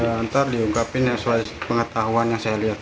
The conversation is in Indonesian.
ya ntar diungkapin sesuai pengetahuan yang saya lihat